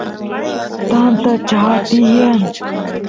tanta chaa tiyan